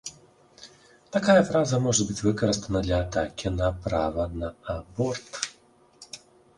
Такая фраза можа быць выкарыстаная для атакі на права на аборт.